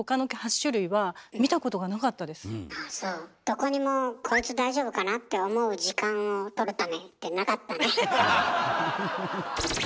どこにも「こいつ大丈夫かなって思う時間をとるため」ってなかったね。